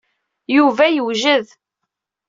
Yuba yewjed.